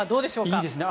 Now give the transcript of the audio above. いいですね。